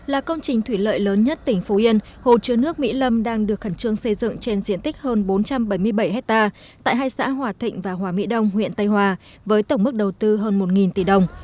là công trình thủy lợi lớn nhất tỉnh phú yên hồ chứa nước mỹ lâm đang được khẩn trương xây dựng trên diện tích hơn bốn trăm bảy mươi bảy hectare tại hai xã hòa thịnh và hòa mỹ đông huyện tây hòa với tổng mức đầu tư hơn một tỷ đồng